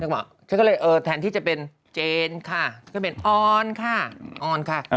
บอกฉันก็เลยเออแทนที่จะเป็นเจนค่ะก็เป็นออนค่ะออนค่ะ